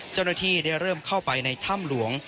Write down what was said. เจ้าหน้าที่ได้เริ่มเข้าไปในถ้ำหลวง